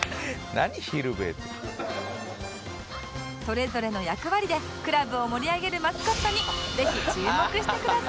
それぞれの役割でクラブを盛り上げるマスコットにぜひ注目してください